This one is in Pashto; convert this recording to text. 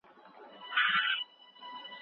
تاسو باید د خپلې ټولني د بیوزلو پالنه وکړئ.